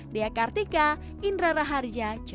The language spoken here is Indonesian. diakartika indra raharipati